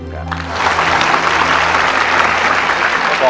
ขอบคุณค่ะ